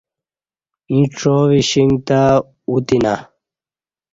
یں ڄاوی شنگ تہ اوتینا